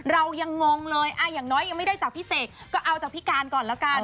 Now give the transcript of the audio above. เรายังงงเลยอย่างน้อยยังไม่ได้จากพี่เสกก็เอาจากพี่การก่อนแล้วกัน